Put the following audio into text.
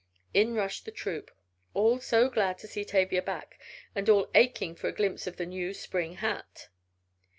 In rushed the "troop," all so glad to see Tavia back, and all aching for a glimpse of the new spring hat.